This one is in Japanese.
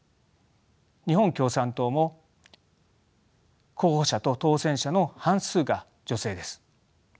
日本共産党も候補者と当選者の半数が女性です。